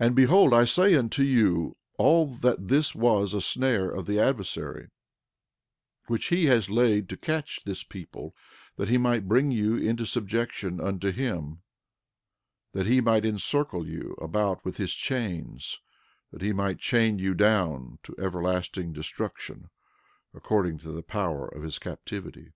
12:6 And behold I say unto you all that this was a snare of the adversary, which he has laid to catch this people, that he might bring you into subjection unto him, that he might encircle you about with his chains, that he might chain you down to everlasting destruction, according to the power of his captivity.